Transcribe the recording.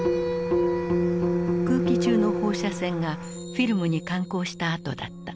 空気中の放射線がフィルムに感光した跡だった。